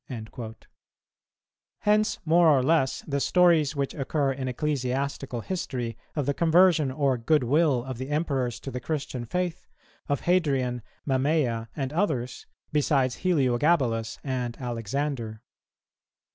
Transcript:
"[218:1] Hence, more or less, the stories which occur in ecclesiastical history of the conversion or good will of the emperors to the Christian faith, of Hadrian, Mammæa, and others, besides Heliogabalus and Alexander.